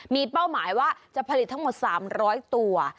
มีเป้าหมายว่าจะผลิตทั้งหมด๓๐๐ตัว